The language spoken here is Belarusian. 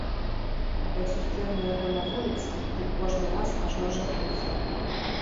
Як сустрэну яго на вуліцы, дык кожны раз ажно жахнуся.